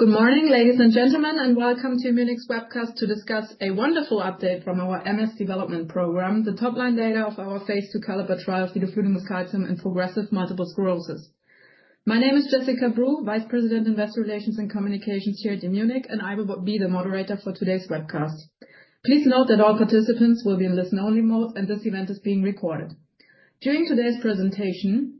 Good morning, ladies and gentlemen, and welcome to Immunic's webcast to discuss a wonderful update from our MS Development Program, the top-line data of our phase II CALLIPER trial for vidofludimus calcium in progressive multiple sclerosis. My name is Jessica Breu, Vice President of Investor Relations and Communications here at Immunic, and I will be the moderator for today's webcast. Please note that all participants will be in listen-only mode, and this event is being recorded. During today's presentation,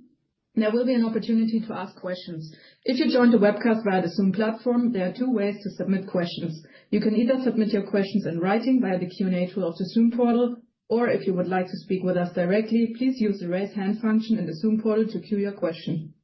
there will be an opportunity to ask questions. If you joined the webcast via the Zoom platform, there are two ways to submit questions. You can either submit your questions in writing via the Q&A tool of the Zoom portal, or if you would like to speak with us directly, please use the raise hand function in the Zoom portal to queue your question.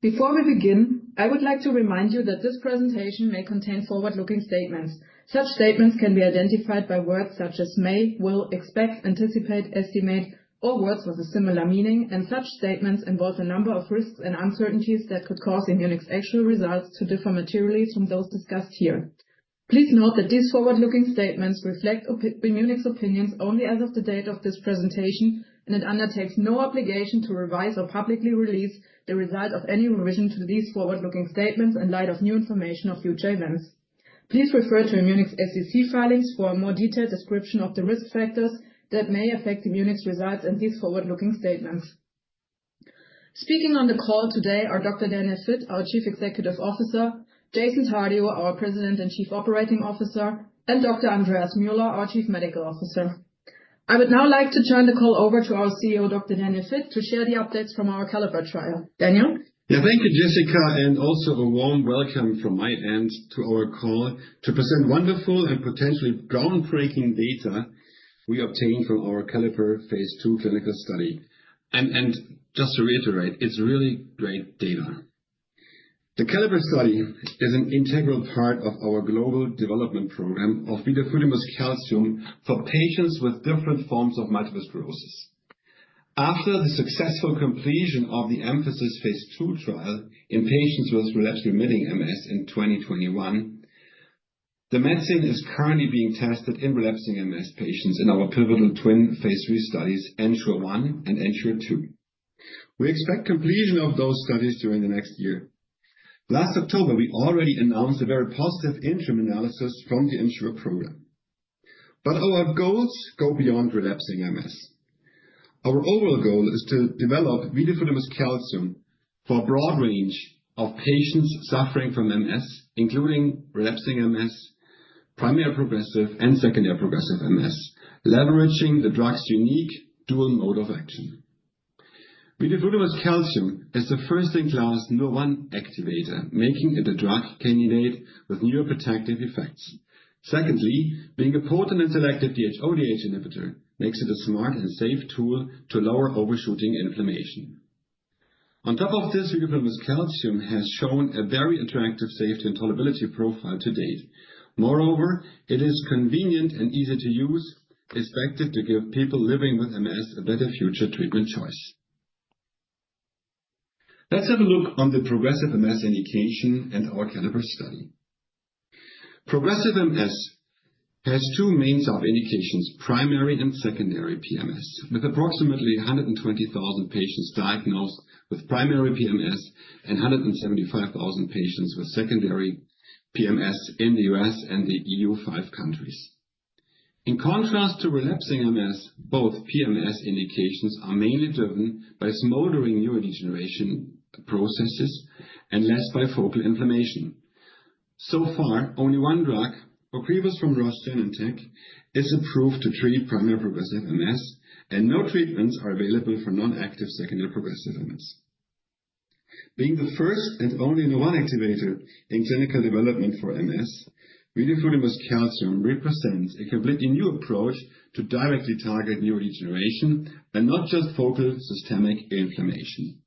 Before we begin, I would like to remind you that this presentation may contain forward-looking statements. Such statements can be identified by words such as may, will, expect, anticipate, estimate, or words with a similar meaning, and such statements involve a number of risks and uncertainties that could cause Immunic's actual results to differ materially from those discussed here. Please note that these forward-looking statements reflect Immunic's opinions only as of the date of this presentation, and it undertakes no obligation to revise or publicly release the result of any revision to these forward-looking statements in light of new information or future events. Please refer to Immunic's SEC filings for a more detailed description of the risk factors that may affect Immunic's results and these forward-looking statements. Speaking on the call today are Dr. Daniel Vitt, our Chief Executive Officer; Jason Tardio, our President and Chief Operating Officer; and Dr. Andreas Muehler, our Chief Medical Officer. I would now like to turn the call over to our CEO, Dr. Daniel Vitt, to share the updates from our CALLIPER trial. Daniel? Yeah, thank you, Jessica, and also a warm welcome from my end to our call to present wonderful and potentially groundbreaking data we obtained from our CALLIPER phase II clinical study. Just to reiterate, it's really great data. The CALLIPER study is an integral part of our global development program of the vidofludimus calcium for patients with different forms of multiple sclerosis. After the successful completion of the EMPhASIS phase II trial in patients with relapsing-remitting MS in 2021, the medicine is currently being tested in relapsing MS patients in our pivotal twin phase II studies, ENSURE-1 and ENSURE-2. We expect completion of those studies during the next year. Last October, we already announced a very positive interim analysis from the ENSURE program. Our goals go beyond relapsing MS. Our overall goal is to develop vidofludimus calcium for a broad range of patients suffering from MS, including relapsing MS, primary progressive, and secondary progressive MS, leveraging the drug's unique dual mode of action. Vidofludimus calcium is the first-in-class Nurr1 activator, making it a drug candidate with neuroprotective effects. Secondly, being a potent and selective DHODH inhibitor makes it a smart and safe tool to lower overshooting inflammation. On top of this, vidofludimus calcium has shown a very attractive safety and tolerability profile to date. Moreover, it is convenient and easy to use, expected to give people living with MS a better future treatment choice. Let's have a look on the progressive MS indication and our CALLIPER study. Progressive MS has two main indications: primary and secondary PMS, with approximately 120,000 patients diagnosed with primary PMS and 175,000 patients with secondary PMS in the U.S. and the EU five countries. In contrast to relapsing MS, both PMS indications are mainly driven by smoldering neurodegeneration processes and less by focal inflammation. So far, only one drug, OCREVUS from Roche and Genentech, is approved to treat primary progressive MS, and no treatments are available for non-active secondary progressive MS. Being the first and only Nurr1 activator in clinical development for MS, vidofludimus calcium represents a completely new approach to directly target neurodegeneration and not just focal systemic inflammation.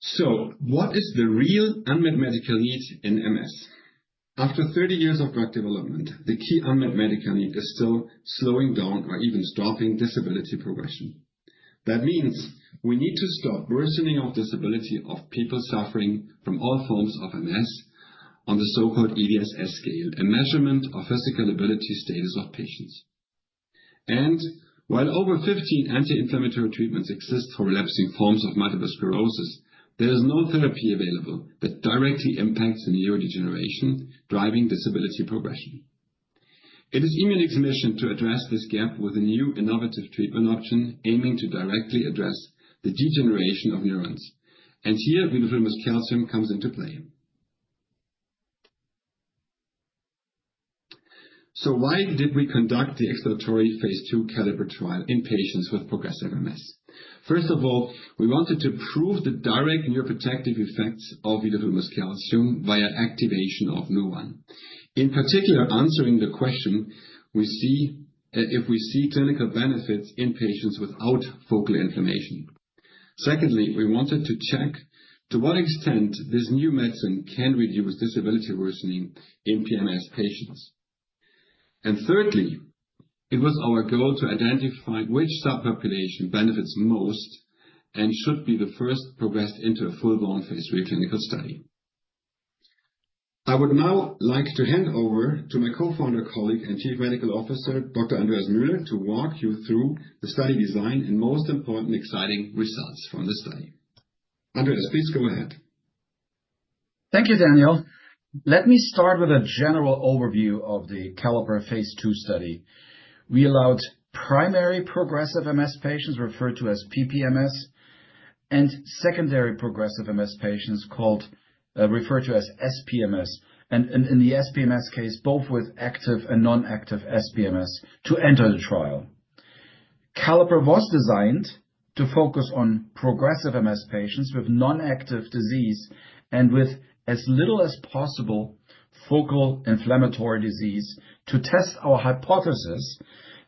So, what is the real unmet medical need in MS? After 30 years of drug development, the key unmet medical need is still slowing down or even stopping disability progression. That means we need to stop worsening of disability of people suffering from all forms of MS on the so-called EDSS scale, a measurement of physical ability status of patients. While over 15 anti-inflammatory treatments exist for relapsing forms of multiple sclerosis, there is no therapy available that directly impacts the neurodegeneration driving disability progression. It is Immunic's ambition to address this gap with a new innovative treatment option aiming to directly address the degeneration of neurons. Here, vidofludimus calcium comes into play. Why did we conduct the exploratory phase II CALLIPER trial in patients with progressive MS? First of all, we wanted to prove the direct neuroprotective effects of vidofludimus calcium via activation of Nurr1. In particular, answering the question, we see if we see clinical benefits in patients without focal inflammation. Secondly, we wanted to check to what extent this new medicine can reduce disability worsening in PMS patients. Thirdly, it was our goal to identify which subpopulation benefits most and should be the first progressed into a full-blown phase III clinical study. I would now like to hand over to my co-founder colleague and Chief Medical Officer, Dr. Andreas Muehler, to walk you through the study design and most important exciting results from the study. Andreas, please go ahead. Thank you, Daniel. Let me start with a general overview of the CALLIPER phase II study. We allowed primary progressive MS patients, referred to as PPMS, and secondary progressive MS patients referred to as SPMS, and in the SPMS case, both with active and non-active SPMS to enter the trial. CALLIPER was designed to focus on progressive MS patients with non-active disease and with as little as possible focal inflammatory disease to test our hypothesis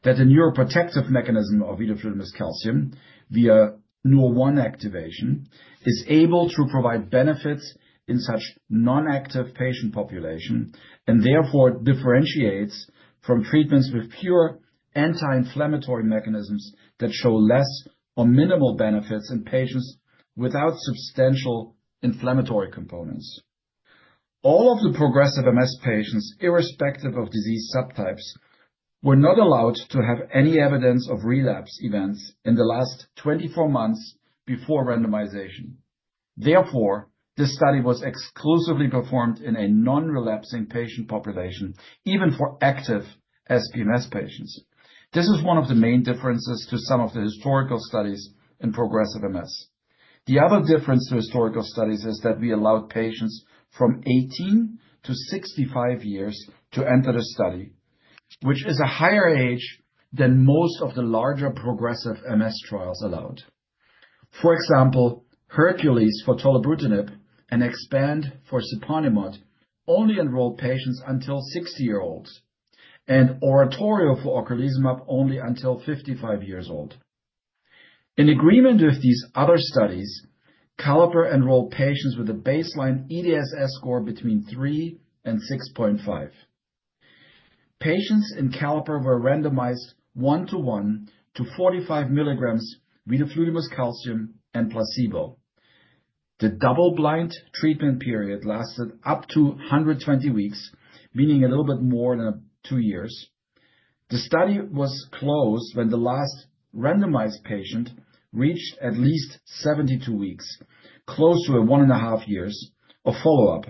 that the neuroprotective mechanism of vidofludimus calcium via Nurr1 activation is able to provide benefits in such non-active patient population and therefore differentiates from treatments with pure anti-inflammatory mechanisms that show less or minimal benefits in patients without substantial inflammatory components. All of the progressive MS patients, irrespective of disease subtypes, were not allowed to have any evidence of relapse events in the last 24 months before randomization. Therefore, this study was exclusively performed in a non-relapsing patient population, even for active SPMS patients. This is one of the main differences to some of the historical studies in progressive MS. The other difference to historical studies is that we allowed patients from 18 years-65 years to enter the study, which is a higher age than most of the larger progressive MS trials allowed. For example, HERCULES for tolebrutinib and EXPAND for Siponimod only enrolled patients until 60 years old, and ORATORIO for ocrelizumab only until 55 years old. In agreement with these other studies, CALLIPER enrolled patients with a baseline EDSS score between 3-6.5. Patients in CALLIPER were randomized one-to-one to 45 mg of vidofludimus calcium and placebo. The double-blind treatment period lasted up to 120 weeks, meaning a little bit more than two years. The study was closed when the last randomized patient reached at least 72 weeks, close to one and a half years of follow-up.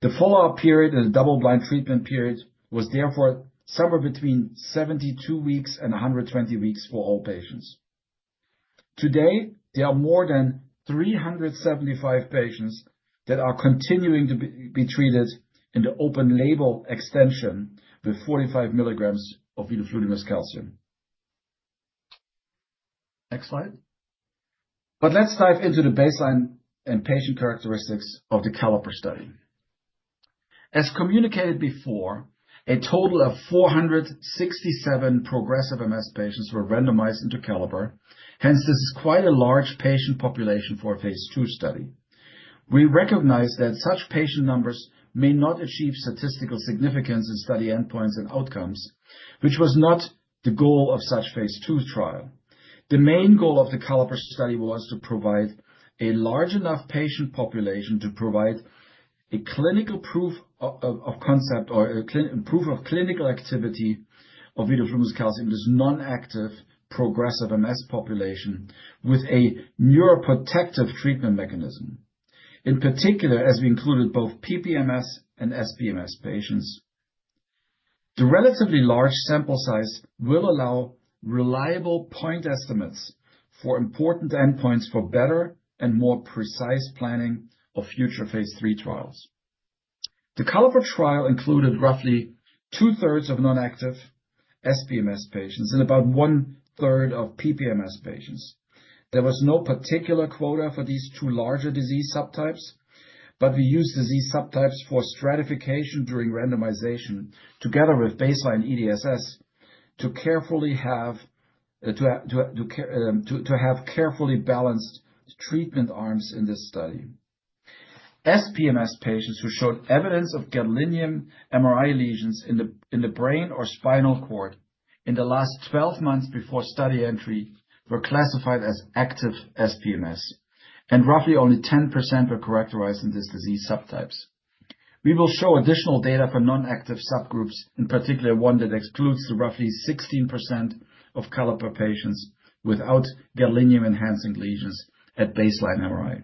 The follow-up period and the double-blind treatment period was therefore somewhere between 72 weeks-120 weeks for all patients. Today, there are more than 375 patients that are continuing to be treated in the open label extension with 45 mg of vidofludimus calcium. Next slide. Let's dive into the baseline and patient characteristics of the CALLIPER study. As communicated before, a total of 467 progressive MS patients were randomized into CALLIPER. Hence, this is quite a large patient population for a phase II study. We recognize that such patient numbers may not achieve statistical significance in study endpoints and outcomes, which was not the goal of such a phase II trial. The main goal of the CALLIPER study was to provide a large enough patient population to provide a clinical proof of concept or proof of clinical activity of vidofludimus calcium in this non-active progressive MS population with a neuroprotective treatment mechanism, in particular as we included both PPMS and SPMS patients. The relatively large sample size will allow reliable point estimates for important endpoints for better and more precise planning of future phase III trials. The CALLIPER trial included roughly two-thirds of non-active SPMS patients and about one-third of PPMS patients. There was no particular quota for these two larger disease subtypes, but we used disease subtypes for stratification during randomization together with baseline EDSS to carefully have carefully balanced treatment arms in this study. SPMS patients who showed evidence of gadolinium MRI lesions in the brain or spinal cord in the last 12 months before study entry were classified as active SPMS, and roughly only 10% were characterized in these disease subtypes. We will show additional data for non-active subgroups, in particular one that excludes roughly 16% of CALLIPER patients without gadolinium-enhancing lesions at baseline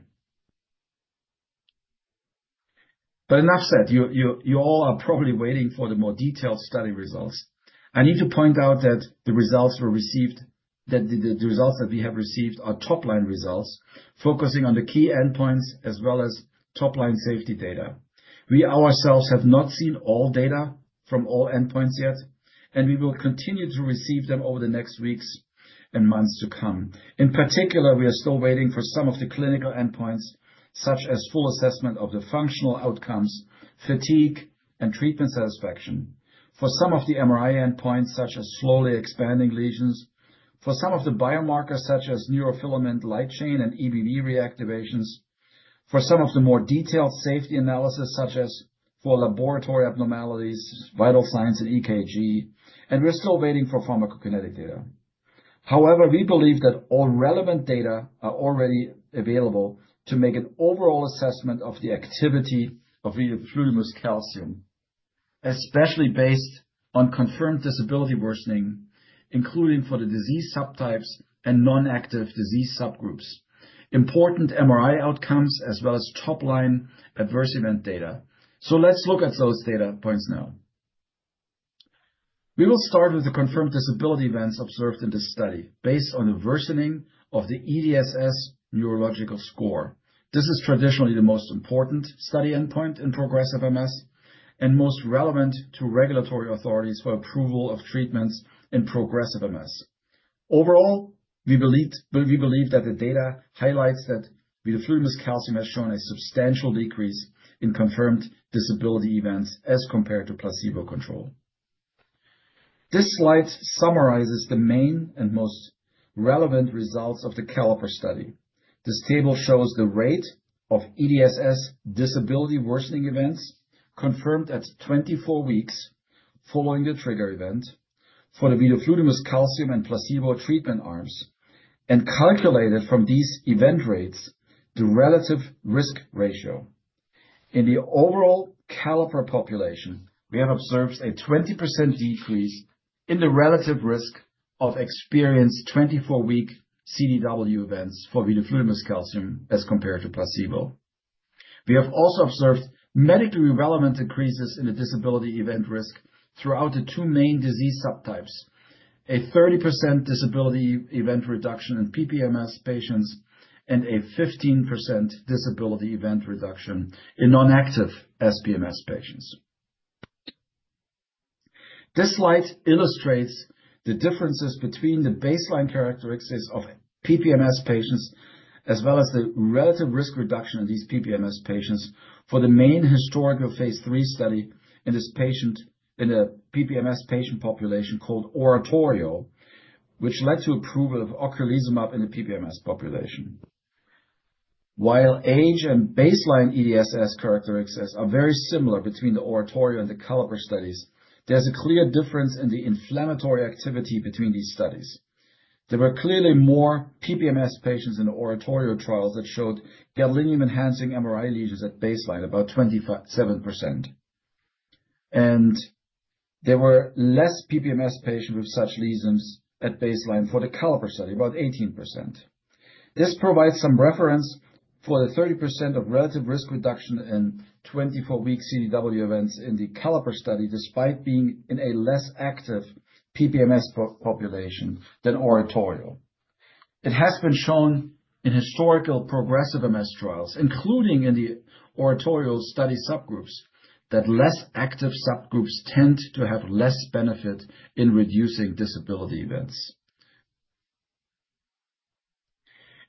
MRI. Enough said, you all are probably waiting for the more detailed study results. I need to point out that the results we have received are top-line results focusing on the key endpoints as well as top-line safety data. We ourselves have not seen all data from all endpoints yet, and we will continue to receive them over the next weeks and months to come. In particular, we are still waiting for some of the clinical endpoints such as full assessment of the functional outcomes, fatigue, and treatment satisfaction, for some of the MRI endpoints such as slowly expanding lesions, for some of the biomarkers such as neurofilament light chain and EBV reactivations, for some of the more detailed safety analysis such as for laboratory abnormalities, vital signs, and EKG, and we're still waiting for pharmacokinetic data. However, we believe that all relevant data are already available to make an overall assessment of the activity of vidofludimus calcium, especially based on confirmed disability worsening, including for the disease subtypes and non-active disease subgroups, important MRI outcomes, as well as top-line adverse event data. Let's look at those data points now. We will start with the confirmed disability events observed in this study based on the worsening of the EDSS neurological score. This is traditionally the most important study endpoint in progressive MS and most relevant to regulatory authorities for approval of treatments in progressive MS. Overall, we believe that the data highlights that vidofludimus calcium has shown a substantial decrease in confirmed disability events as compared to placebo control. This slide summarizes the main and most relevant results of the CALLIPER study. This table shows the rate of EDSS disability worsening events confirmed at 24 weeks following the trigger event for the vidofludimus calcium and placebo treatment arms and calculated from these event rates the relative risk ratio. In the overall CALLIPER population, we have observed a 20% decrease in the relative risk of experienced 24-week CDW events for vidofludimus calcium as compared to placebo. We have also observed medically relevant increases in the disability event risk throughout the two main disease subtypes: a 30% disability event reduction in PPMS patients and a 15% disability event reduction in non-active SPMS patients. This slide illustrates the differences between the baseline characteristics of PPMS patients as well as the relative risk reduction in these PPMS patients for the main historical phase III study in this patient in the PPMS patient population called ORATORIO, which led to approval of ocrelizumab in the PPMS population. While age and baseline EDSS characteristics are very similar between the ORATORIO and the CALLIPER studies, there's a clear difference in the inflammatory activity between these studies. There were clearly more PPMS patients in the ORATORIO trials that showed gadolinium-enhancing MRI lesions at baseline, about 27%. There were less PPMS patients with such lesions at baseline for the CALLIPER study, about 18%. This provides some reference for the 30% of relative risk reduction in 24-week CDW events in the CALLIPER study, despite being in a less active PPMS population than ORATORIO. It has been shown in historical progressive MS trials, including in the ORATORIO study subgroups, that less active subgroups tend to have less benefit in reducing disability events.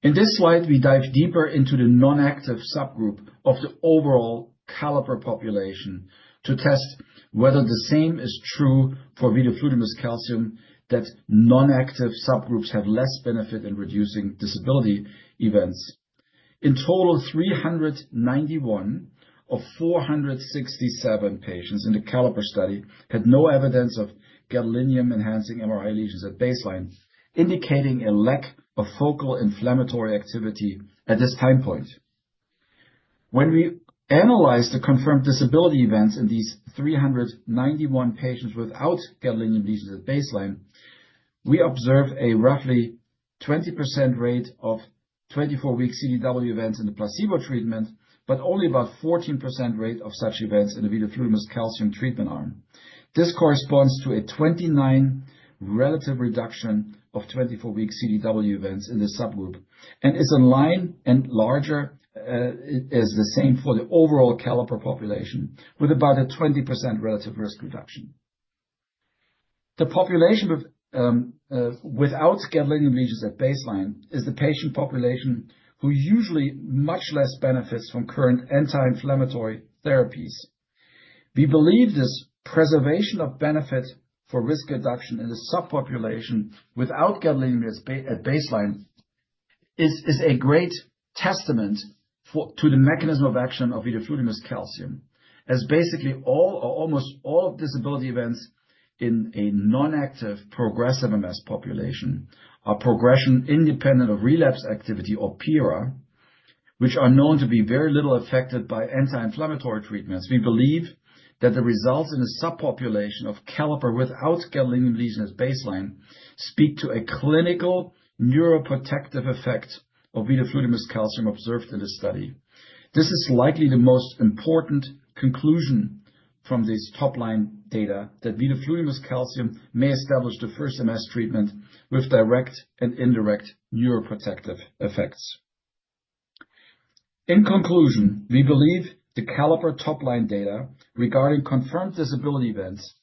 In this slide, we dive deeper into the non-active subgroup of the overall CALLIPER population to test whether the same is true for vidofludimus calcium, that non-active subgroups have less benefit in reducing disability events. In total, 391 of 467 patients in the CALLIPER study had no evidence of gadolinium-enhancing MRI lesions at baseline, indicating a lack of focal inflammatory activity at this time point. When we analyze the confirmed disability events in these 391 patients without gadolinium lesions at baseline, we observe a roughly 20% rate of 24-week CDW events in the placebo treatment, but only about a 14% rate of such events in the vidofludimus calcium treatment arm. This corresponds to a 29% relative reduction of 24-week CDW events in this subgroup and is in line and larger as the same for the overall CALDOSE population with about a 20% relative risk reduction. The population without gadolinium lesions at baseline is the patient population who usually much less benefits from current anti-inflammatory therapies. We believe this preservation of benefit for risk reduction in the subpopulation without gadolinium at baseline is a great testament to the mechanism of action of vidofludimus calcium, as basically all or almost all disability events in a non-active progressive MS population are progression independent of relapse activity or PIRA, which are known to be very little affected by anti-inflammatory treatments. We believe that the results in a subpopulation of CALLIPER without gadolinium lesions at baseline speak to a clinical neuroprotective effect of vidofludimus calcium observed in this study. This is likely the most important conclusion from these top-line data that vidofludimus calcium may establish the first MS treatment with direct and indirect neuroprotective effects. In conclusion, we believe the CALLIPER top-line data regarding confirmed disability events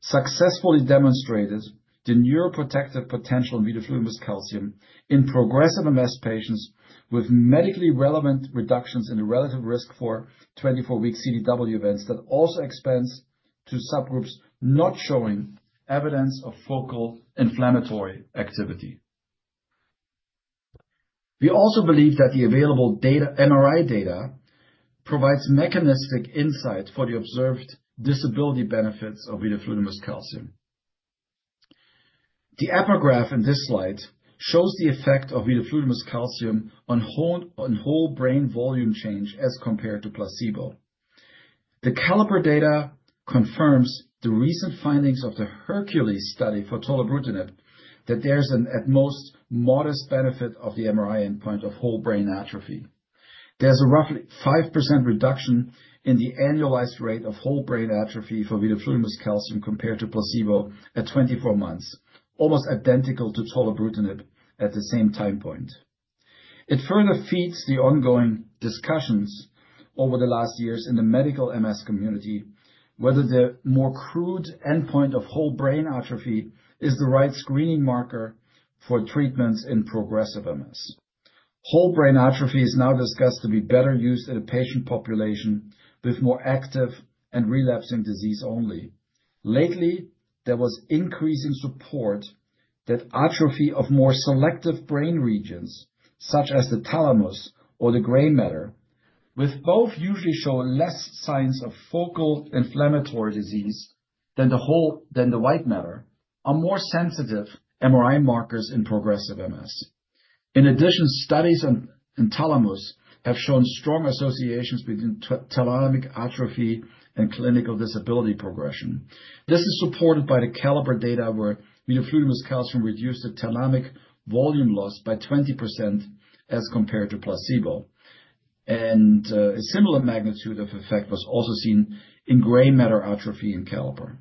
successfully demonstrated the neuroprotective potential of vidofludimus calcium in progressive MS patients with medically relevant reductions in the relative risk for 24-week CDW events that also expands to subgroups not showing evidence of focal inflammatory activity. We also believe that the available MRI data provides mechanistic insight for the observed disability benefits of vidofludimus calcium. The ECTRIMS graph in this slide shows the effect of vidofludimus calcium on whole brain volume change as compared to placebo. The CALLIPER data confirms the recent findings of the HERCULES study for tolobrutinib that there's an at most modest benefit of the MRI endpoint of whole brain atrophy. There's a roughly 5% reduction in the annualized rate of whole brain atrophy for vidofludimus calcium compared to placebo at 24 months, almost identical to tolobrutinib at the same time point. It further feeds the ongoing discussions over the last years in the medical MS community whether the more crude endpoint of whole brain atrophy is the right screening marker for treatments in progressive MS. Whole brain atrophy is now discussed to be better used in a patient population with more active and relapsing disease only. Lately, there was increasing support that atrophy of more selective brain regions such as the thalamus or the gray matter, with both usually showing less signs of focal inflammatory disease than the white matter, are more sensitive MRI markers in progressive MS. In addition, studies in thalamus have shown strong associations between thalamic atrophy and clinical disability progression. This is supported by the CALLIPER data where vidofludimus calcium reduced the thalamic volume loss by 20% as compared to placebo. A similar magnitude of effect was also seen in gray matter atrophy in CALLIPER.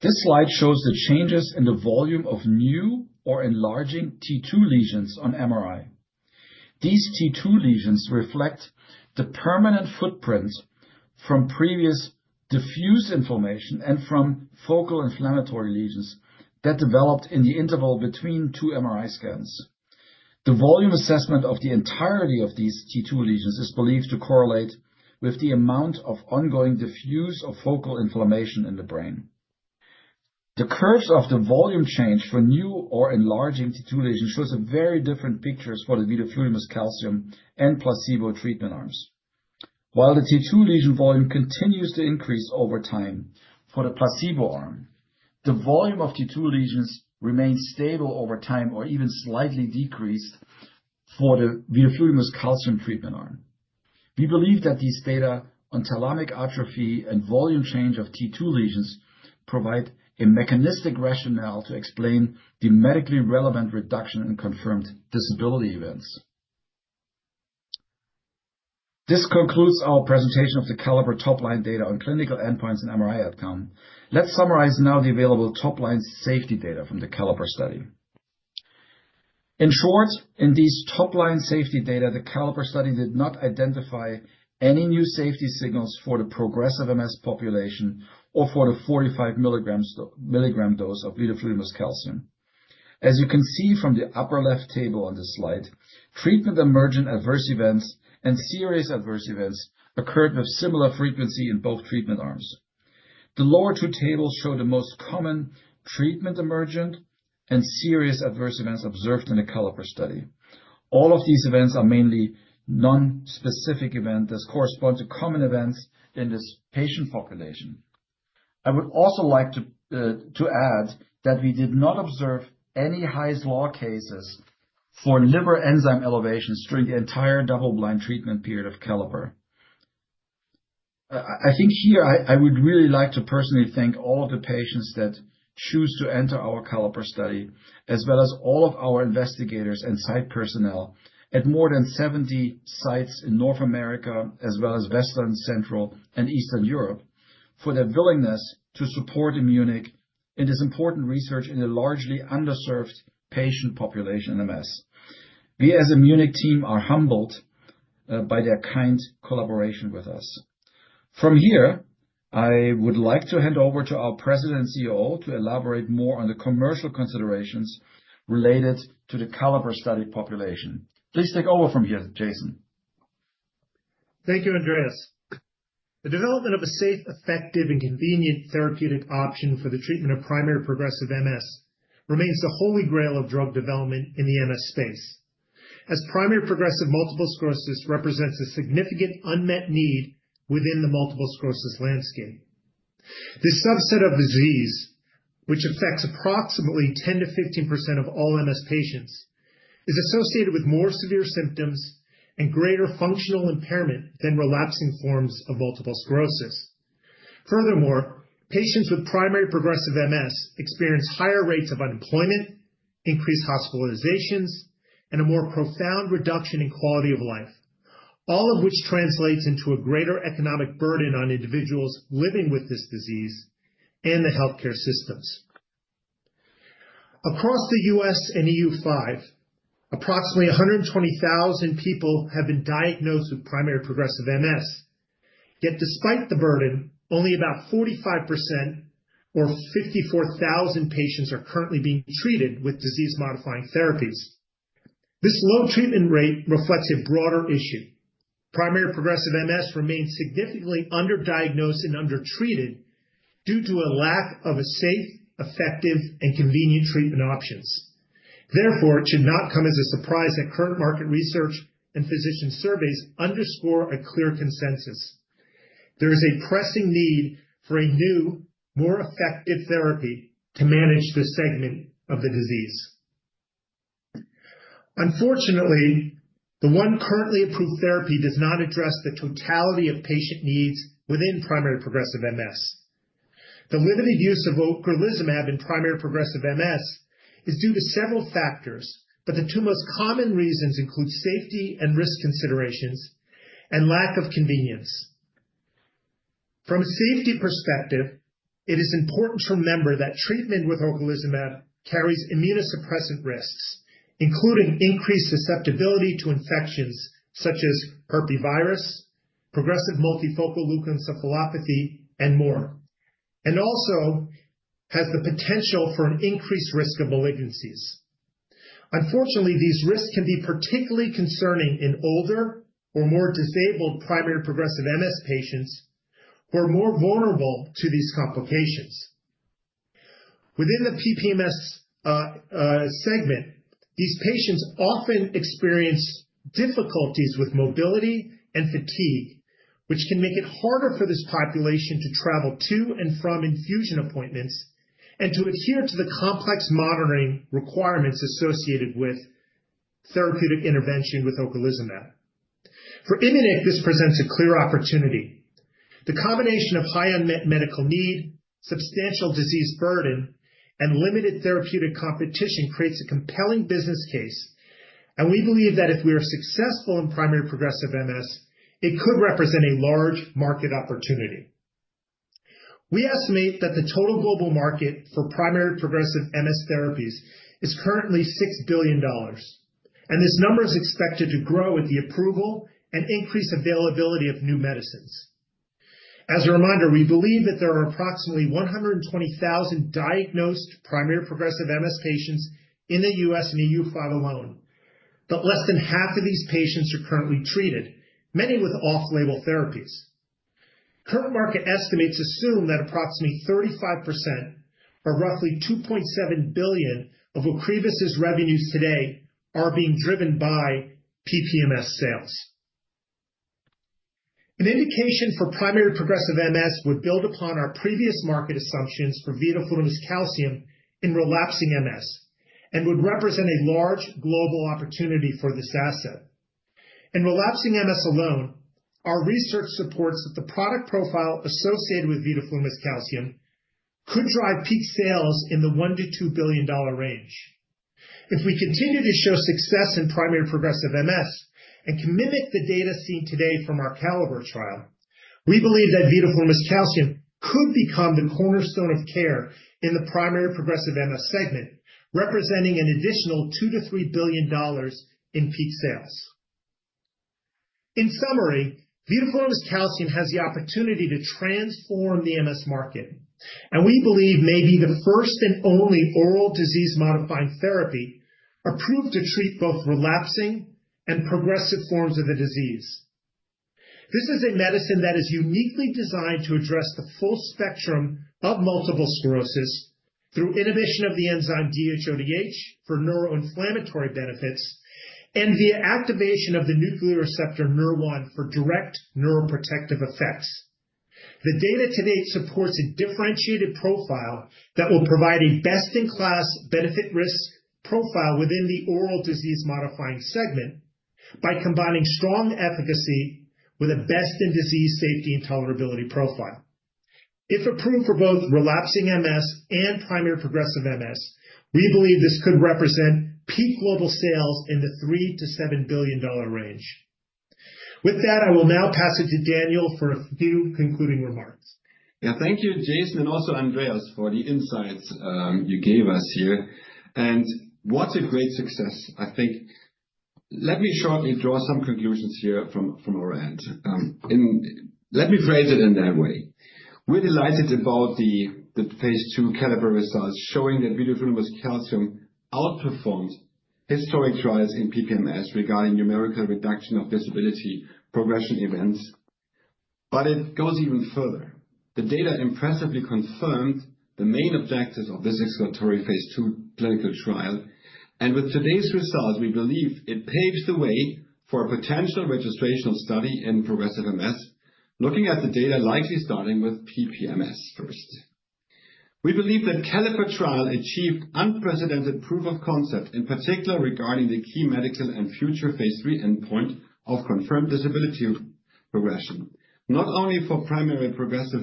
This slide shows the changes in the volume of new or enlarging T2 lesions on MRI. These T2 lesions reflect the permanent footprint from previous diffuse inflammation and from focal inflammatory lesions that developed in the interval between two MRI scans. The volume assessment of the entirety of these T2 lesions is believed to correlate with the amount of ongoing diffuse or focal inflammation in the brain. The curves of the volume change for new or enlarging T2 lesions show a very different picture for vidofludimus calcium and placebo treatment arms. While the T2 lesion volume continues to increase over time for the placebo arm, the volume of T2 lesions remains stable over time or even slightly decreased for the vidofludimus calcium treatment arm. We believe that these data on thalamic atrophy and volume change of T2 lesions provide a mechanistic rationale to explain the medically relevant reduction in confirmed disability events. This concludes our presentation of the CaLLIPER top-line data on clinical endpoints and MRI outcome. Let's summarize now the available top-line safety data from the CALLIPER Study. In short, in these top-line safety data, the CALLIPER Study did not identify any new safety signals for the progressive MS population or for the 45 mg dose of vidofludimus calcium. As you can see from the upper left table on this slide, treatment emergent adverse events and serious adverse events occurred with similar frequency in both treatment arms. The lower two tables show the most common treatment emergent and serious adverse events observed in the CALLIPER Study. All of these events are mainly non-specific events that correspond to common events in this patient population. I would also like to add that we did not observe any Hy's law cases for liver enzyme elevations during the entire double-blind treatment period of CALLIPER. I think here I would really like to personally thank all of the patients that choose to enter our CALLIPER study, as well as all of our investigators and site personnel at more than 70 sites in North America, as well as Western, Central, and Eastern Europe, for their willingness to support Immunic in this important research in a largely underserved patient population in MS. We, as an Immunic team, are humbled by their kind collaboration with us. From here, I would like to hand over to our President and CEO to elaborate more on the commercial considerations related to the CALLIPER Study population. Please take over from here, Jason. Thank you, Andreas. The development of a safe, effective, and convenient therapeutic option for the treatment of primary progressive MS remains the Holy Grail of drug development in the MS space, as primary progressive multiple sclerosis represents a significant unmet need within the multiple sclerosis landscape. This subset of disease, which affects approximately 10%-15% of all MS patients, is associated with more severe symptoms and greater functional impairment than relapsing forms of multiple sclerosis. Furthermore, patients with primary progressive MS experience higher rates of unemployment, increased hospitalizations, and a more profound reduction in quality of life, all of which translates into a greater economic burden on individuals living with this disease and the healthcare systems. Across the U.S. and EU5, approximately 120,000 people have been diagnosed with primary progressive MS. Yet, despite the burden, only about 45% or 54,000 patients are currently being treated with disease-modifying therapies. This low treatment rate reflects a broader issue. Primary progressive MS remains significantly underdiagnosed and undertreated due to a lack of safe, effective, and convenient treatment options. Therefore, it should not come as a surprise that current market research and physician surveys underscore a clear consensus: there is a pressing need for a new, more effective therapy to manage this segment of the disease. Unfortunately, the one currently approved therapy does not address the totality of patient needs within primary progressive MS. The limited use of ocrelizumab in primary progressive MS is due to several factors, but the two most common reasons include safety and risk considerations and lack of convenience. From a safety perspective, it is important to remember that treatment with ocrelizumab carries immunosuppressant risks, including increased susceptibility to infections such as herpes virus, progressive multifocal leukoencephalopathy, and more, and also has the potential for an increased risk of malignancies. Unfortunately, these risks can be particularly concerning in older or more disabled primary progressive MS patients who are more vulnerable to these complications. Within the PPMS segment, these patients often experience difficulties with mobility and fatigue, which can make it harder for this population to travel to and from infusion appointments and to adhere to the complex monitoring requirements associated with therapeutic intervention with ocrelizumab. For Immunic, this presents a clear opportunity. The combination of high unmet medical need, substantial disease burden, and limited therapeutic competition creates a compelling business case, and we believe that if we are successful in primary progressive MS, it could represent a large market opportunity. We estimate that the total global market for primary progressive MS therapies is currently $6 billion, and this number is expected to grow with the approval and increased availability of new medicines. As a reminder, we believe that there are approximately 120,000 diagnosed primary progressive MS patients in the U.S. and EU5 alone, but less than half of these patients are currently treated, many with off-label therapies. Current market estimates assume that approximately 35% or roughly $2.7 billion of OCREVUS's revenues today are being driven by PPMS sales. An indication for primary progressive MS would build upon our previous market assumptions for vidofludimus calcium in relapsing MS and would represent a large global opportunity for this asset. In relapsing MS alone, our research supports that the product profile associated with vidofludimus calcium could drive peak sales in the $1 billion-$2 billion CALLIPER trial, we believe that vidofludimus calcium could become the cornerstone of care in the primary progressive MS segment, representing an additional $2 billion-$3 billion in peak sales. In summary, vidofludimus calcium has the opportunity to transform the MS market, and we believe may be the first and only oral disease-modifying therapy approved to treat both relapsing and progressive forms of the disease. This is a medicine that is uniquely designed to address the full spectrum of multiple sclerosis through inhibition of the enzyme DHODH for neuroinflammatory benefits and via activation of the nuclear receptor Nurr1 for direct neuroprotective effects. The data to date supports a differentiated profile that will provide a best-in-class benefit-risk profile within the oral disease-modifying segment by combining strong efficacy with a best-in-disease safety and tolerability profile. If approved for both relapsing MS and primary progressive MS, we believe this could represent peak global sales in the $3 billion-$7 billion range. With that, I will now pass it to Daniel for a few concluding remarks. Yeah, thank you, Jason, and also Andreas for the insights you gave us here. What a great success, I think. Let me shortly draw some conclusions here from our end. Let me phrase it in that way. We're delighted about the Phase II CALLIPER results showing that vidofludimus calcium outperformed historic trials in PPMS regarding numerical reduction of disability progression events. It goes even further. The data impressively confirmed the main objectives of this exploratory phase II clinical trial. With today's results, we believe it paves the way for a potential registrational study in progressive MS, looking at the data likely starting with PPMS first. We believe that the CALLIPER trial achieved unprecedented proof of concept, in particular regarding the key medical and future phase III endpoint of confirmed disability progression, not only for primary progressive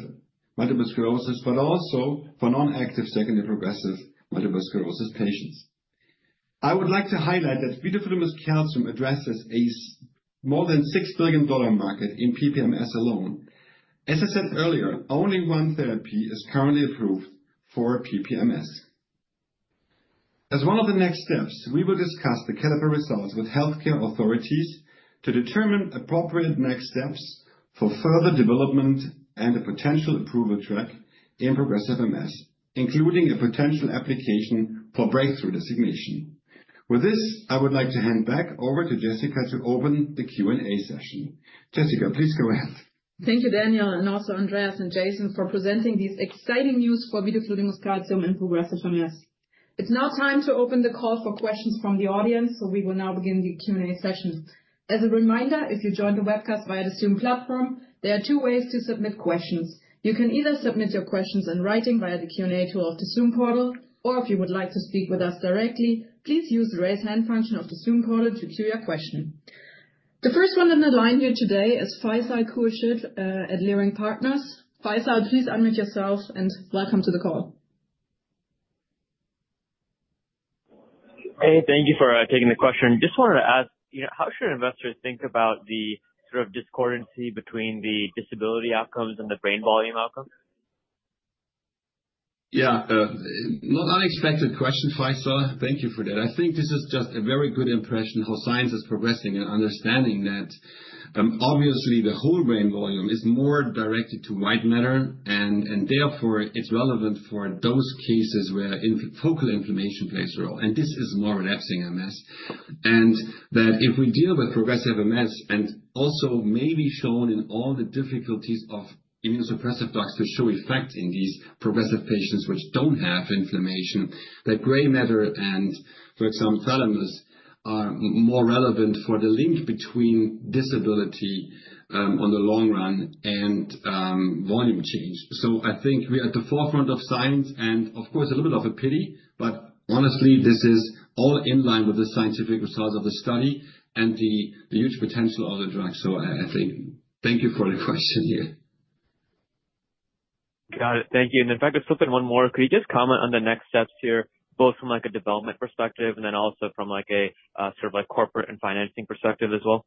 multiple sclerosis, but also for non-active secondary progressive multiple sclerosis patients. I would like to highlight that vidofludimus calcium addresses a more than $6 billion market in PPMS alone. As I said earlier, only one therapy is currently approved for PPMS. As one of the next steps, we will discuss the CALLIPER results with healthcare authorities to determine appropriate next steps for further development and a potential approval track in progressive MS, including a potential application for breakthrough designation. With this, I would like to hand back over to Jessica to open the Q&A session. Jessica, please go ahead. Thank you, Daniel, and also Andreas and Jason for presenting these exciting news for vidofludimus calcium in progressive MS. It's now time to open the call for questions from the audience, so we will now begin the Q&A session. As a reminder, if you join the webcast via the Zoom platform, there are two ways to submit questions. You can either submit your questions in writing via the Q&A tool of the Zoom portal, or if you would like to speak with us directly, please use the raise hand function of the Zoom portal to queue your question. The first one in the line here today is Faisal Khurshid at Leerink Partners. Faisal, please unmute yourself and welcome to the call. Hey, thank you for taking the question. Just wanted to ask, how should investors think about the sort of discordancy between the disability outcomes and the brain volume outcome? Yeah, not unexpected question, Faisal. Thank you for that. I think this is just a very good impression of how science is progressing and understanding that, obviously, the whole brain volume is more directed to white matter, and therefore it's relevant for those cases where focal inflammation plays a role. This is more relapsing MS. If we deal with progressive MS, and also maybe shown in all the difficulties of immunosuppressive drugs to show effect in these progressive patients which do not have inflammation, that gray matter and, for example, thalamus are more relevant for the link between disability on the long run and volume change. I think we are at the forefront of science and, of course, a little bit of a pity, but honestly, this is all in line with the scientific results of the study and the huge potential of the drug. I think thank you for the question here. Got it. Thank you. If I could slip in one more, could you just comment on the next steps here, both from a development perspective and then also from a sort of corporate and financing perspective as well?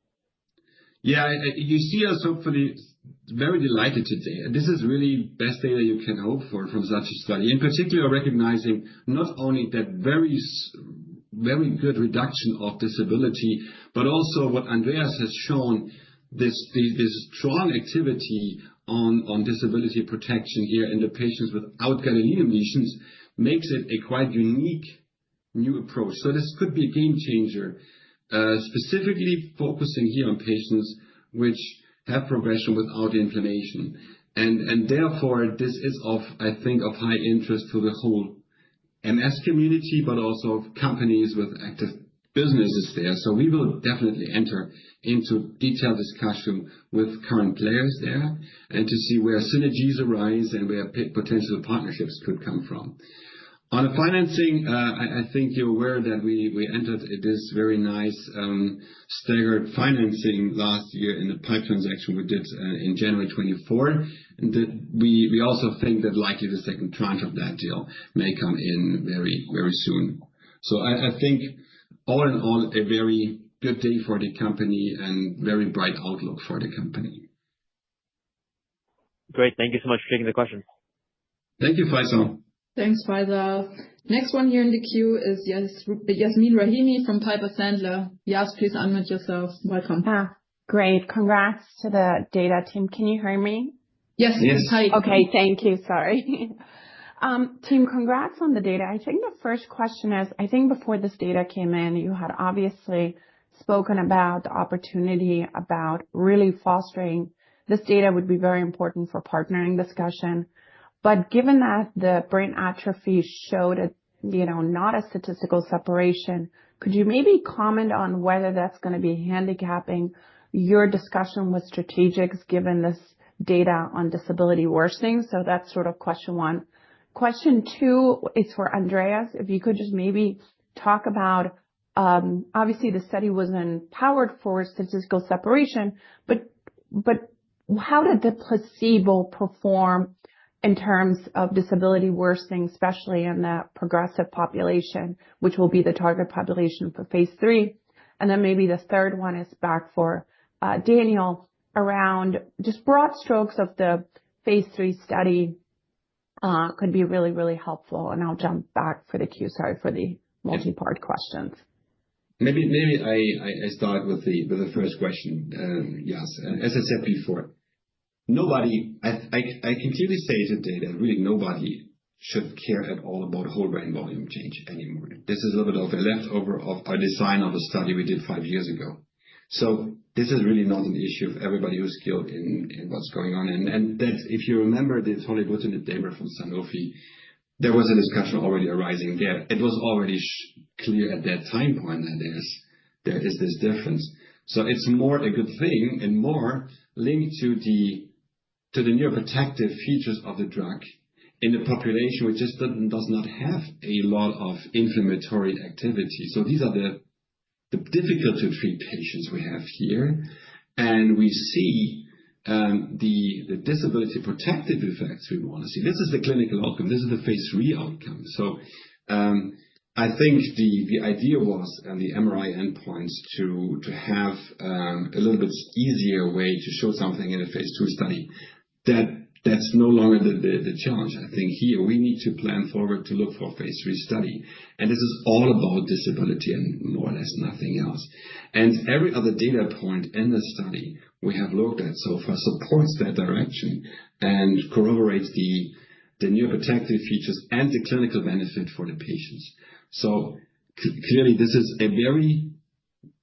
Yeah, you see, I was hopefully very delighted today. This is really the best thing that you can hope for from such a study, in particular recognizing not only that very, very good reduction of disability, but also what Andreas has shown, this strong activity on disability protection here in the patients without gadolinium lesions makes it a quite unique new approach. This could be a game changer, specifically focusing here on patients which have progression without inflammation. Therefore, this is, I think, of high interest to the whole MS community, but also companies with active businesses there. We will definitely enter into detailed discussion with current players there and to see where synergies arise and where potential partnerships could come from. On financing, I think you're aware that we entered this very nice staggered financing last year in the PIPE transaction we did in January 2024. We also think that likely the second tranche of that deal may come in very, very soon. I think all in all, a very good day for the company and very bright outlook for the company. Great. Thank you so much for taking the question. Thank you, Faisal. Thanks, Faisal. Next one here in the queue is Yasmeen Rahimi from Piper Sandler. Yas, please unmute yourself. Welcome. Yeah, great. Congrats to the data team. Can you hear me? Yes. Yes. Hi. Okay, thank you. Sorry. Team, congrats on the data. I think the first question is, I think before this data came in, you had obviously spoken about the opportunity about really fostering this data would be very important for partnering discussion. Given that the brain atrophy showed not a statistical separation, could you maybe comment on whether that's going to be handicapping your discussion with strategics given this data on disability worsening? That's sort of question one. Question two is for Andreas. If you could just maybe talk about, obviously, the study wasn't powered for statistical separation, but how did the placebo perform in terms of disability worsening, especially in the progressive population, which will be the target population for phase III? Maybe the third one is back for Daniel around just broad strokes of the phase III study could be really, really helpful. I'll jump back for the queue, sorry, for the multi-part questions. Maybe I start with the first question, Yas. As I said before, nobody, I can clearly say today that really nobody should care at all about whole brain volume change anymore. This is a little bit of a leftover of our design of the study we did five years ago. This is really not an issue of everybody who's skilled in what's going on. If you remember the Hollywood-intended paper from Sanofi, there was a discussion already arising there. It was already clear at that time point that there is this difference. It is more a good thing and more linked to the neuroprotective features of the drug in the population, which just does not have a lot of inflammatory activity. These are the difficult-to-treat patients we have here. We see the disability protective effects we want to see. This is the clinical outcome. This is the phase III outcome. I think the idea was and the MRI endpoints to have a little bit easier way to show something in a phase II study, that's no longer the challenge. I think here we need to plan forward to look for a phase III study. This is all about disability and more or less nothing else. Every other data point in the study we have looked at so far supports that direction and corroborates the neuroprotective features and the clinical benefit for the patients. Clearly, this is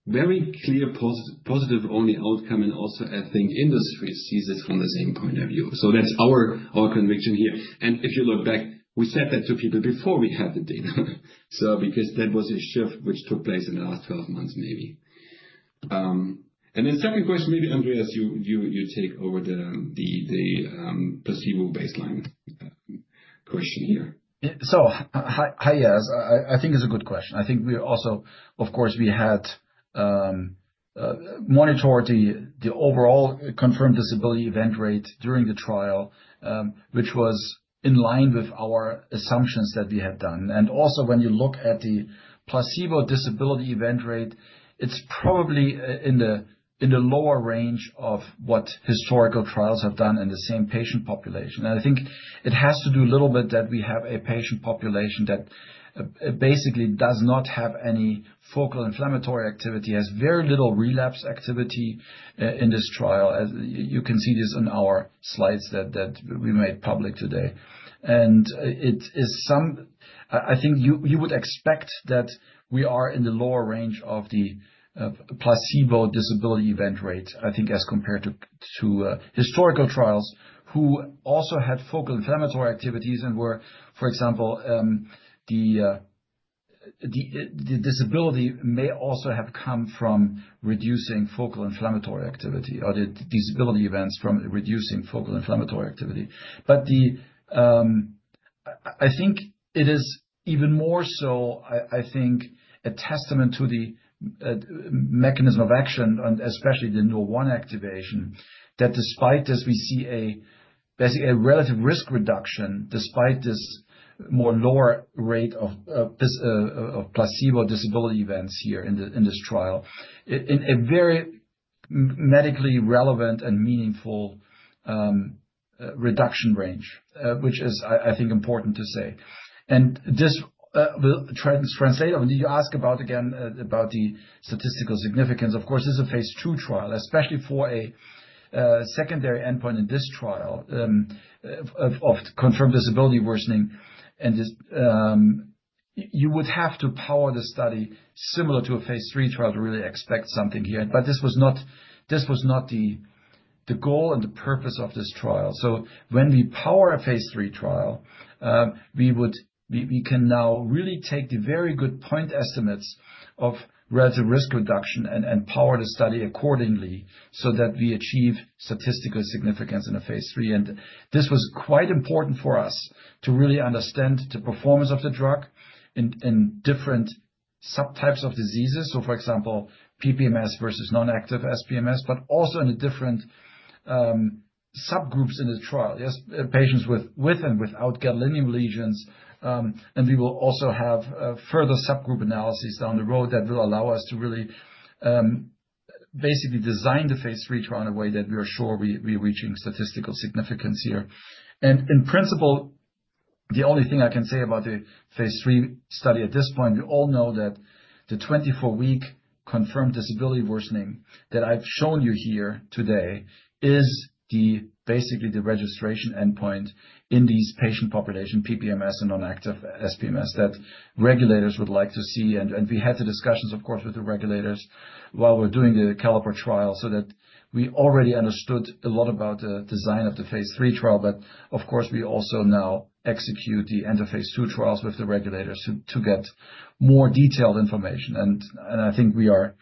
a very, very clear positive-only outcome. I think industry sees this from the same point of view. That's our conviction here. If you look back, we said that to people before we had the data, because that was a shift which took place in the last 12 months, maybe. Second question, maybe Andreas, you take over the placebo baseline question here. Hi, Yas. I think it's a good question. I think we also, of course, we had monitored the overall confirmed disability event rate during the trial, which was in line with our assumptions that we had done. Also, when you look at the placebo disability event rate, it's probably in the lower range of what historical trials have done in the same patient population. I think it has to do a little bit that we have a patient population that basically does not have any focal inflammatory activity, has very little relapse activity in this trial. You can see this in our slides that we made public today. I think you would expect that we are in the lower range of the placebo disability event rate, I think, as compared to historical trials who also had focal inflammatory activities and were, for example, the disability may also have come from reducing focal inflammatory activity or the disability events from reducing focal inflammatory activity. I think it is even more so, I think, a testament to the mechanism of action, especially the Nurr1 activation, that despite this, we see basically a relative risk reduction despite this more lower rate of placebo disability events here in this trial in a very medically relevant and meaningful reduction range, which is, I think, important to say. This will translate. You asked about, again, about the statistical significance. Of course, this is a phase II trial, especially for a secondary endpoint in this trial of confirmed disability worsening. You would have to power the study similar to a phase III trial to really expect something here. This was not the goal and the purpose of this trial. When we power a phase III trial, we can now really take the very good point estimates of relative risk reduction and power the study accordingly so that we achieve statistical significance in a phase III. This was quite important for us to really understand the performance of the drug in different subtypes of diseases. For example, PPMS versus non-active SPMS, but also in the different subgroups in the trial, patients with and without gadolinium lesions. We will also have further subgroup analyses down the road that will allow us to really basically design the phase III trial in a way that we are sure we are reaching statistical significance here. In principle, the only thing I can say about the phase III study at this point, we all know that the 24-week confirmed disability worsening that I've shown you here today is basically the registration endpoint in this patient population, PPMS and non-active SPMS that regulators would like to see. We had the discussions, of course, with the regulators while we're doing the CALLIPER trial so that we already understood a lot about the design of the phase III trial. Of course, we also now execute the end of phase II trials with the regulators to get more detailed information. I think we are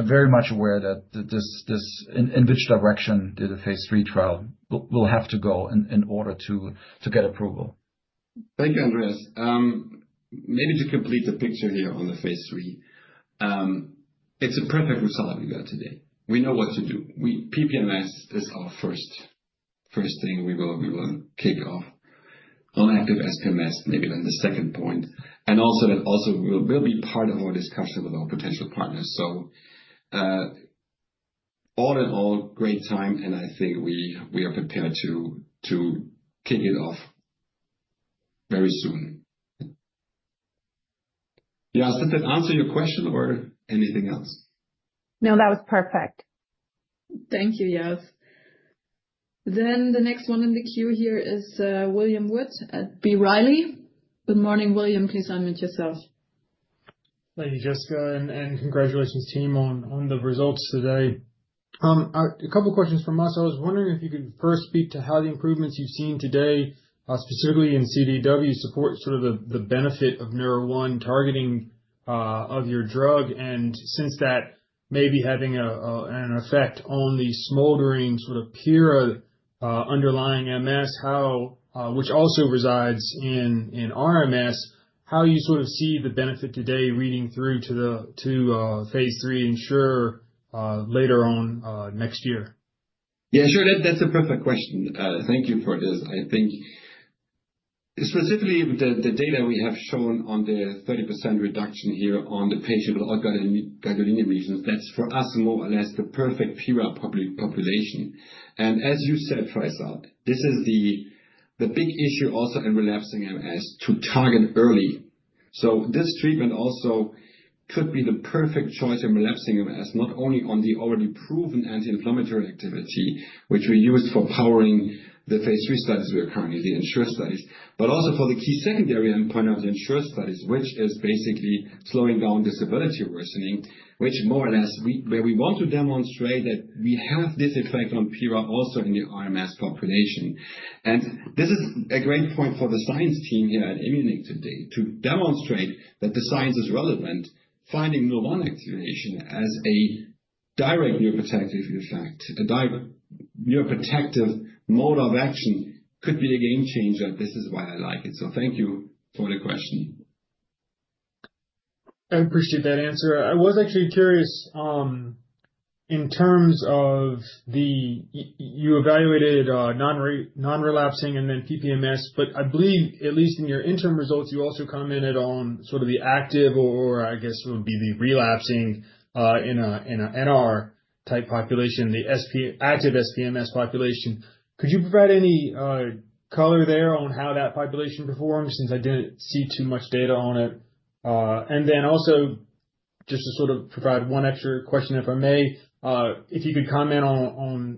very much aware that in which direction the phase III trial will have to go in order to get approval. Thank you, Andreas. Maybe to complete the picture here on the phase III, it's a perfect result we got today. We know what to do. PPMS is our first thing. We will kick off on active SPMS, maybe then the second point. That also will be part of our discussion with our potential partners. All in all, great time. I think we are prepared to kick it off very soon. Yas, does that answer your question or anything else? No, that was perfect. Thank you, Yas. The next one in the queue here is William Wood at B. Riley. Good morning, William. Please unmute yourself. Thank you, Jessica. Congratulations, team, on the results today. A couple of questions from us. I was wondering if you could first speak to how the improvements you've seen today, specifically in CDW, support sort of the benefit of Nurr1 targeting of your drug. Since that may be having an effect on the smoldering sort of PIRA underlying MS, which also resides in RMS, how you sort of see the benefit today reading through to phase III ensure later on next year? Yeah, sure. That's a perfect question. Thank you for this. I think specifically the data we have shown on the 30% reduction here on the patient with gadolinium lesions, that's for us more or less the perfect PIRA population. As you said, Faisal, this is the big issue also in relapsing MS to target early. This treatment also could be the perfect choice in relapsing MS, not only on the already proven anti-inflammatory activity, which we used for powering the phase III studies we are currently doing, insurance studies, but also for the key secondary endpoint of the insurance studies, which is basically slowing down disability worsening, which more or less where we want to demonstrate that we have this effect on PIRA also in the RMS population. This is a great point for the science team here at Immunic today to demonstrate that the science is relevant. Finding Nurr1 activation as a direct neuroprotective effect, a neuroprotective mode of action could be a game changer. This is why I like it. Thank you for the question. I appreciate that answer. I was actually curious in terms of the you evaluated non-relapsing and then PPMS, but I believe at least in your interim results, you also commented on sort of the active or I guess would be the relapsing in an NR-type population, the active nSPMS population. Could you provide any color there on how that population performed since I did not see too much data on it? Also, just to sort of provide one extra question, if I may, if you could comment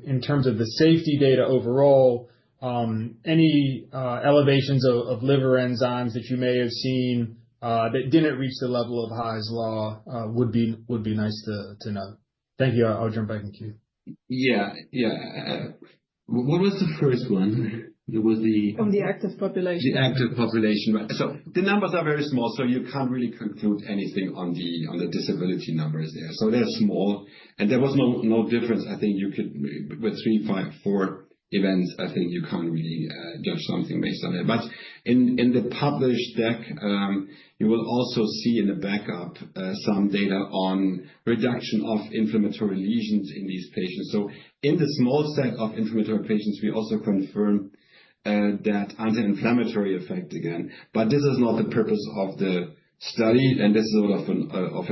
in terms of the safety data overall, any elevations of liver enzymes that you may have seen that did not reach the level of Hy's law would be nice to know. Thank you. I will jump back in queue. Yeah. Yeah. What was the first one? It was the. From the active population. The active population. Right. The numbers are very small, so you can't really conclude anything on the disability numbers there. They're small, and there was no difference. I think you could, with three, five, four events, I think you can't really judge something based on that. In the published deck, you will also see in the backup some data on reduction of inflammatory lesions in these patients. In the small set of inflammatory patients, we also confirm that anti-inflammatory effect again. This is not the purpose of the study, and this is sort of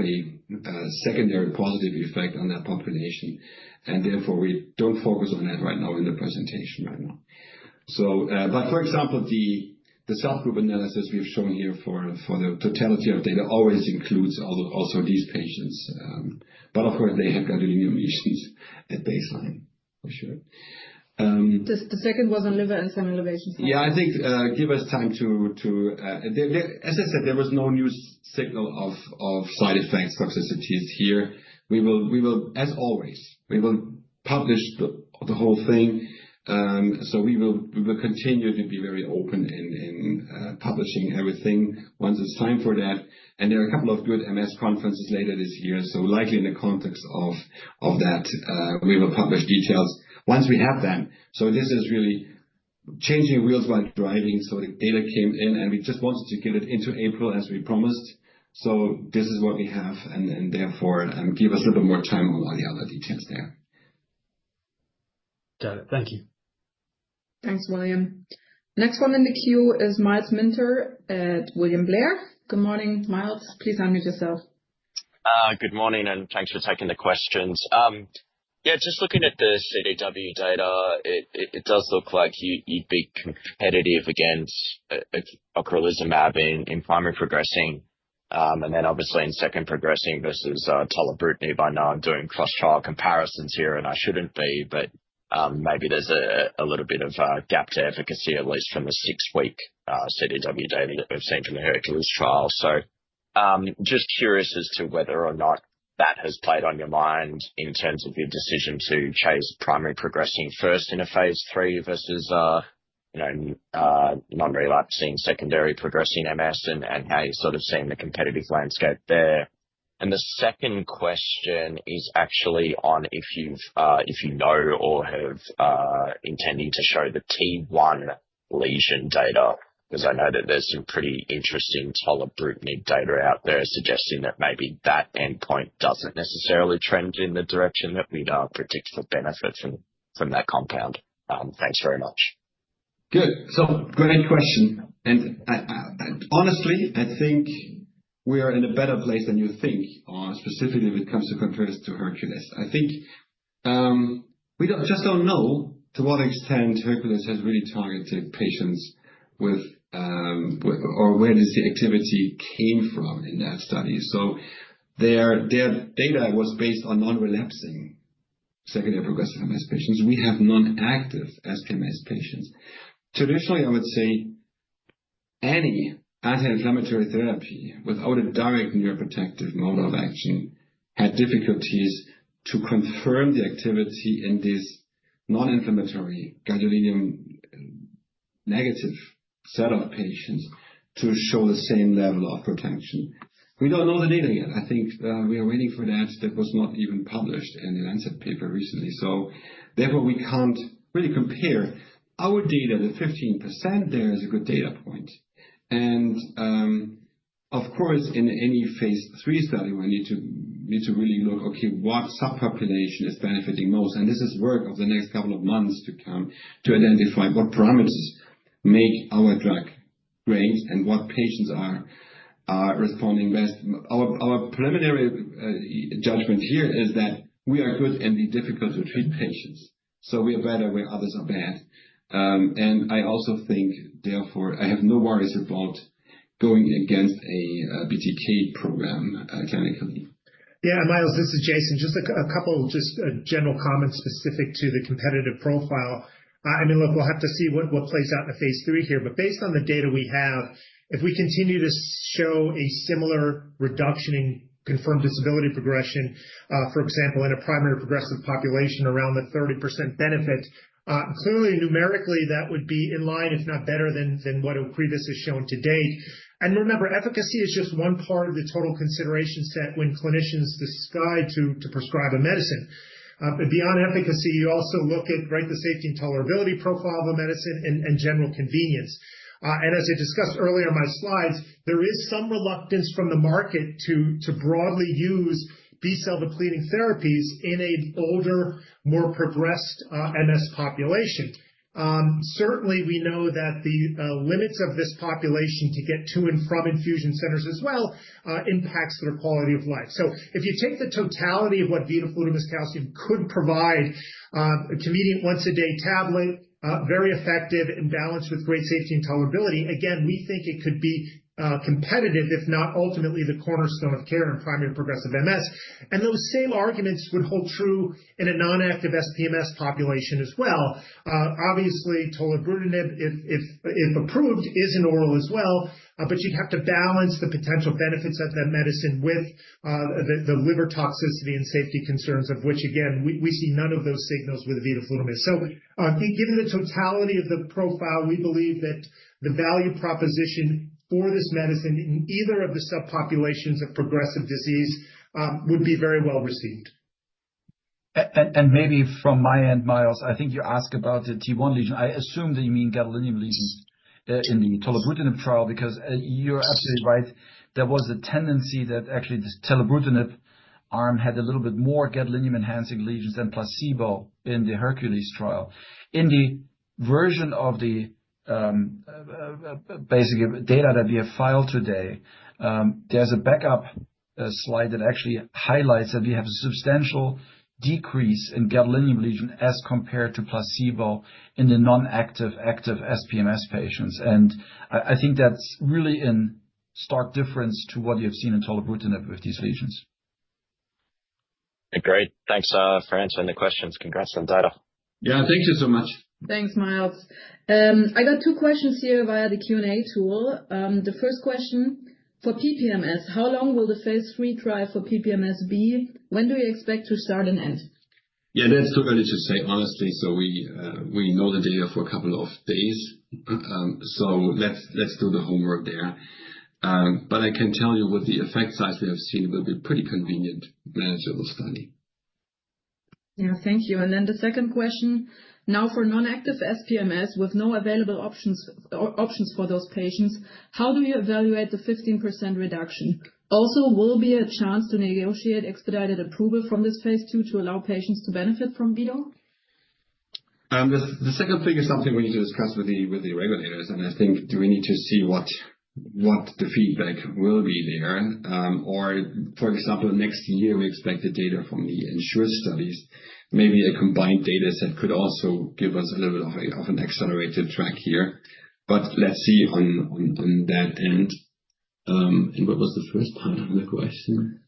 a secondary positive effect on that population. Therefore, we don't focus on that right now in the presentation. For example, the subgroup analysis we've shown here for the totality of data always includes also these patients. Of course, they have gadolinium lesions at baseline, for sure. The second was on liver enzyme elevations. Yeah, I think give us time to, as I said, there was no new signal of side effects, toxicities here. As always, we will publish the whole thing. We will continue to be very open in publishing everything once it's time for that. There are a couple of good MS conferences later this year. Likely in the context of that, we will publish details once we have them. This is really changing wheels while driving. The data came in, and we just wanted to get it into April, as we promised. This is what we have. Therefore, give us a little bit more time on all the other details there. Got it. Thank you. Thanks, William. Next one in the queue is Myles Minter at William Blair. Good morning, Myles. Please unmute yourself. Good morning. Thanks for taking the questions. Yeah, just looking at the CDW data, it does look like you'd be competitive against ocrelizumab in primary progressive. Obviously in secondary progressive versus siponimod, by now doing cross-trial comparisons here. I shouldn't be, but maybe there's a little bit of gap to efficacy, at least from the six-week CDW data that we've seen from the HERCULES trial. Just curious as to whether or not that has played on your mind in terms of your decision to chase primary progressive first in a phase III versus non-relapsing secondary progressive MS and how you're sort of seeing the competitive landscape there. The second question is actually on if you know or have intended to show the T1 lesion data, because I know that there's some pretty interesting telemarketing data out there suggesting that maybe that endpoint doesn't necessarily trend in the direction that we now predict for benefits from that compound. Thanks very much. Good. Great question. Honestly, I think we are in a better place than you think, specifically when it comes to comparison to HERCULES. I think we just don't know to what extent HERCULES has really targeted patients with or where does the activity came from in that study. Their data was based on non-relapsing secondary progressive MS patients. We have non-active SPMS patients. Traditionally, I would say any anti-inflammatory therapy without a direct neuroprotective mode of action had difficulties to confirm the activity in these non-inflammatory gadolinium-negative set of patients to show the same level of protection. We don't know the data yet. I think we are waiting for that. That was not even published in the Lancet paper recently. Therefore, we can't really compare our data. The 15% there is a good data point. Of course, in any phase III study, we need to really look, okay, what subpopulation is benefiting most? This is work of the next couple of months to come to identify what parameters make our drug great and what patients are responding best. Our preliminary judgment here is that we are good and we're difficult to treat patients. We are better where others are bad. I also think, therefore, I have no worries about going against a BTK program clinically. Yeah. Myles, this is Jason. Just a couple of general comments specific to the competitive profile. I mean, look, we'll have to see what plays out in the phase III here. But based on the data we have, if we continue to show a similar reduction in confirmed disability progression, for example, in a primary progressive population around the 30% benefit, clearly numerically, that would be in line, if not better, than what OCREVUS has shown to date. Remember, efficacy is just one part of the total consideration set when clinicians decide to prescribe a medicine. Beyond efficacy, you also look at the safety and tolerability profile of a medicine and general convenience. As I discussed earlier in my slides, there is some reluctance from the market to broadly use B-cell depleting therapies in an older, more progressed MS population. Certainly, we know that the limits of this population to get to and from infusion centers as well impacts their quality of life. If you take the totality of what vidofludimus calcium could provide, a convenient once-a-day tablet, very effective and balanced with great safety and tolerability, again, we think it could be competitive, if not ultimately the cornerstone of care in primary progressive MS. Those same arguments would hold true in a non-active SPMS population as well. Obviously, tolerability, if approved, is an oral as well. You would have to balance the potential benefits of that medicine with the liver toxicity and safety concerns of which, again, we see none of those signals with vidofludimus. Given the totality of the profile, we believe that the value proposition for this medicine in either of the subpopulations of progressive disease would be very well received. Maybe from my end, Myles, I think you asked about the T1 lesion. I assume that you mean gadolinium lesions in the tolerability trial because you're absolutely right. There was a tendency that actually the tolobrutinib arm had a little bit more gadolinium-enhancing lesions than placebo in the HERCULES trial. In the version of the basic data that we have filed today, there's a backup slide that actually highlights that we have a substantial decrease in gadolinium lesion as compared to placebo in the non-active active SPMS patients. I think that's really in stark difference to what you've seen in tolerability with these lesions. Great. Thanks for answering the questions. Congrats on data. Yeah, thank you so much. Thanks, Myles. I got two questions here via the Q&A tool. The first question for PPMS, how long will the phase III trial for PPMS be? When do you expect to start and end? Yeah, that's too early to say, honestly. We know the data for a couple of days. Let's do the homework there. I can tell you with the effect size we have seen, it will be a pretty convenient, manageable study. Thank you. The second question, now for non-active SPMS with no available options for those patients, how do you evaluate the 15% reduction? Also, will there be a chance to negotiate expedited approval from this phase II to allow patients to benefit from Vido? The second thing is something we need to discuss with the regulators. I think we need to see what the feedback will be there. For example, next year, we expect the data from the insurance studies. Maybe a combined data set could also give us a little bit of an accelerated track here. Let's see on that end. What was the first part of the question?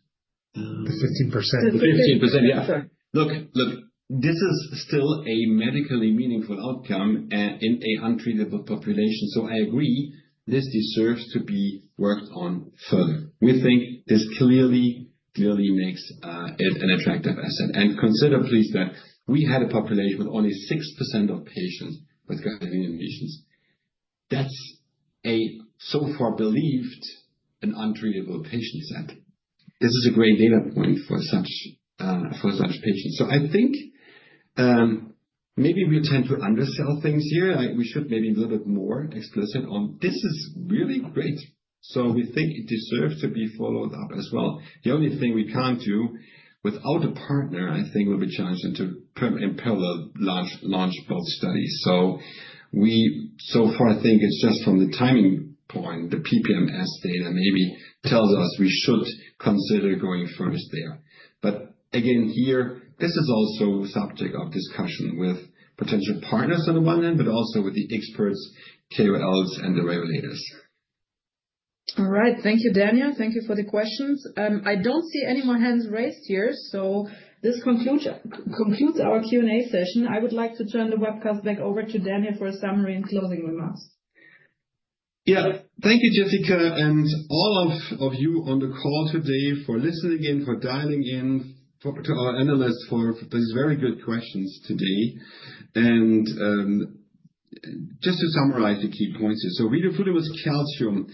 The 15%. The 15%, yeah. Look, this is still a medically meaningful outcome in an untreatable population. I agree. This deserves to be worked on further. We think this clearly makes it an attractive asset. Consider, please, that we had a population with only 6% of patients with gadolinium lesions. That is a so far believed untreatable patient set. This is a great data point for such patients. I think maybe we tend to undersell things here. We should maybe be a little bit more explicit on this is really great. We think it deserves to be followed up as well. The only thing we can't do without a partner, I think, will be challenging to imperil the launch of both studies. So far, I think it's just from the timing point, the PPMS data maybe tells us we should consider going first there. Again, here, this is also subject of discussion with potential partners on the one end, but also with the experts, KOLs, and the regulators. All right. Thank you, Daniel. Thank you for the questions. I don't see any more hands raised here. This concludes our Q&A session. I would like to turn the webcast back over to Daniel for a summary and closing remarks. Yeah. Thank you, Jessica, and all of you on the call today for listening in, for dialing in, to our analysts for these very good questions today. To summarize the key points here, vidofludimus calcium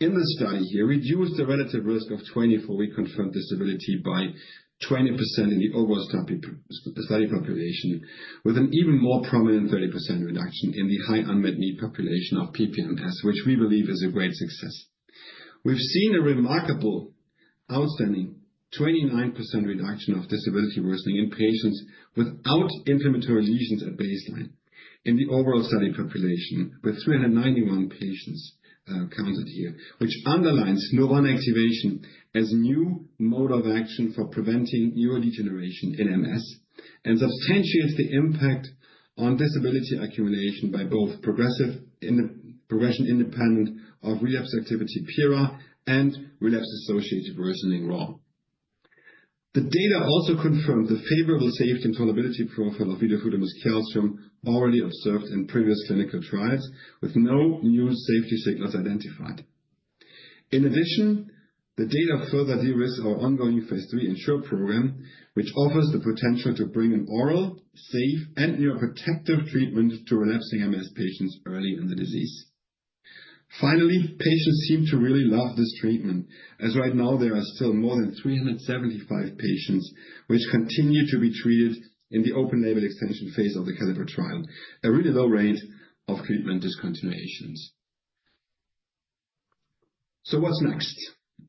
in this study reduced the relative risk of 24-week confirmed disability worsening by 20% in the overall study population, with an even more prominent 30% reduction in the high unmet need population of PPMS, which we believe is a great success. We have seen a remarkable outstanding 29% reduction of disability worsening in patients without inflammatory lesions at baseline in the overall study population with 391 patients counted here, which underlines Nurr1 activation as a new mode of action for preventing neurodegeneration in MS and substantiates the impact on disability accumulation by both progression independent of relapse activity PIRA and relapse-associated worsening role. The data also confirmed the favorable safety and tolerability profile of vidofludimus calcium already observed in previous clinical trials with no new safety signals identified. In addition, the data further de-risked our ongoing phase III ENSURE program, which offers the potential to bring an oral, safe, and neuroprotective treatment to relapsing MS patients early in the disease. Finally, patients seem to really love this treatment, as right now, there are still more than 375 patients which continue to be treated in the open-label extension phase of the CALLIPER trial, a really low rate of treatment discontinuations. What is next?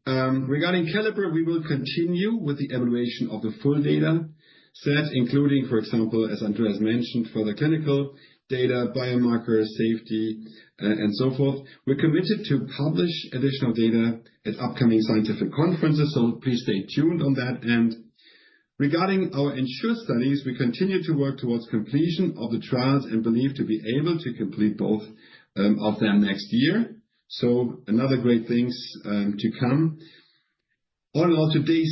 Regarding CALLIPER, we will continue with the evaluation of the full data set, including, for example, as Andreas mentioned, further clinical data, biomarkers, safety, and so forth. We are committed to publish additional data at upcoming scientific conferences. Please stay tuned on that. Regarding our ENSURE studies, we continue to work towards completion of the trials and believe to be able to complete both of them next year. Another great things to come. All in all, today's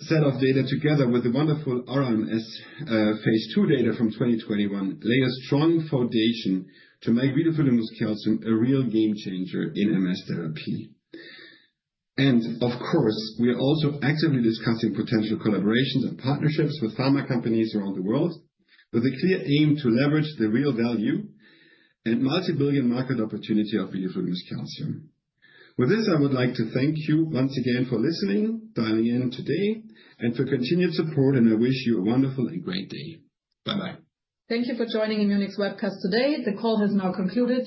set of data together with the wonderful RMS phase II data from 2021 lay a strong foundation to make vidofludimus calcium a real game changer in MS therapy. Of course, we are also actively discussing potential collaborations and partnerships with pharma companies around the world with a clear aim to leverage the real value and multi-billion market opportunity of vidofludimus calcium. With this, I would like to thank you once again for listening, dialing in today, and for continued support. I wish you a wonderful and great day. Bye-bye. Thank you for joining Immunic's webcast today. The call has now concluded.